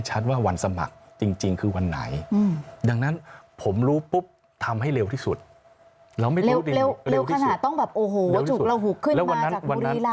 จุดหละหุกขึ้นมาจากบุรีรำ